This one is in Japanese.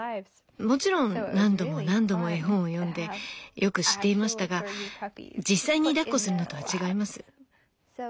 もちろん何度も何度も絵本を読んでよく知っていましたが実際にだっこするのとは違います。